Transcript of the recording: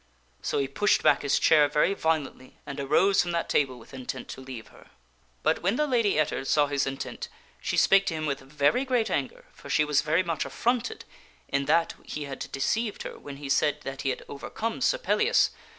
So he pushed back his chair very violently and arose from that table with intent to leave her. But when the Lady Ettard saw his intent she spake to him with very great anger, for she was very much affronted in that he had deceived her when he said that he had overcome Sir Pellias.